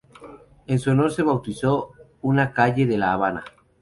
En su honor se bautizó una calle de La Habana.